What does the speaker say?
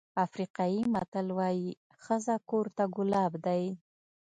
افریقایي متل وایي ښځه کور ته ګلاب دی.